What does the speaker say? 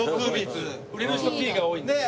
売れる人「Ｔ」が多いんです。